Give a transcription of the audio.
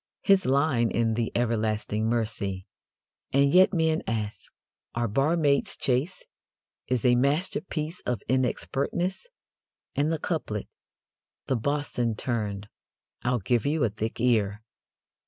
His line in The Everlasting Mercy: And yet men ask, "Are barmaids chaste?" is a masterpiece of inexpertness. And the couplet: The Bosun turned: "I'll give you a thick ear!